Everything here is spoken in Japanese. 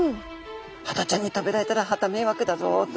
ハタちゃんに食べられたらはた迷惑だぞと。